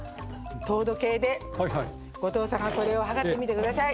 糖度計で後藤さんがこれを測ってみて下さい。